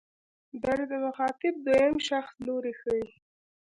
در د مخاطب دویم شخص لوری ښيي.